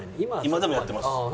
今でもやってます。